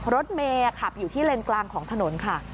รถเมย์ขับอยู่ที่เลนกลางของถนนค่ะ